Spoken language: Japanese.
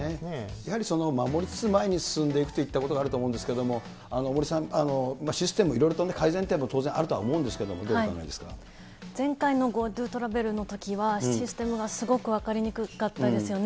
やはり守りつつ前に進んでいくということがあると思うんですけれども、森さん、システムいろいろと改善点もあると思うんですけれども、どうお考前回のＧｏＴｏトラベルのときは、システムがすごく分かりにくかったですよね。